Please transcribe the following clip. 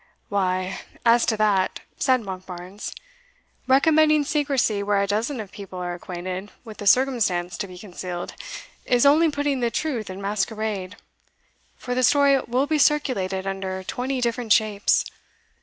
"Why, as to that," said Monkbarns, "recommending secrecy where a dozen of people are acquainted with the circumstance to be concealed, is only putting the truth in masquerade, for the story will be circulated under twenty different shapes.